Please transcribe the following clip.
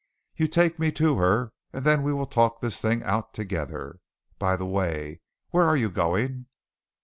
You take me to her and then we will talk this thing out together. By the way, where are you going?"